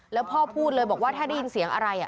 แล้วพ่อพูดเลยบอกว่าถ้าได้ยินเสียงอะไร